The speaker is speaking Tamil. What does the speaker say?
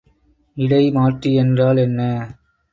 இடைமாற்றி என்றால் என்ன?